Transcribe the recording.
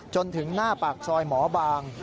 จนถึงหน้าปากซอยหมอบาง